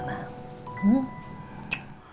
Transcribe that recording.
kamu dari mana